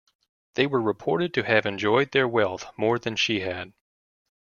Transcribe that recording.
They were reported to have enjoyed their wealth more than she had.